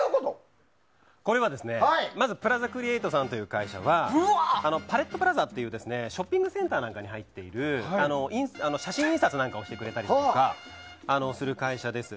まずプラザクリエイトさんという会社はパレットプラザというショッピングセンターなんかに入っている写真印刷などをしてくれたりとかする会社です。